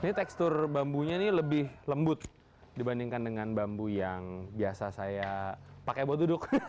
ini tekstur bambunya ini lebih lembut dibandingkan dengan bambu yang biasa saya pakai buat duduk